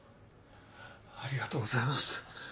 ありがとうございます。